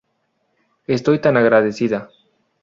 Estoy tan agradecida".